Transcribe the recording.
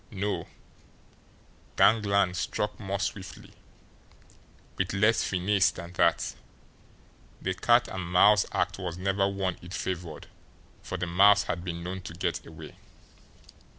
No; gangland struck more swiftly, with less finesse than that the "cat and mouse" act was never one it favoured, for the mouse had been known to get away.